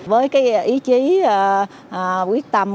với ý chí quyết tâm